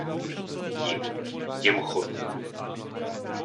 Jim, těm Chodům?!